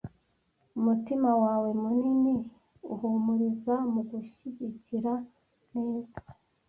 umutima wawe munini uhumuriza mugushyigikira neza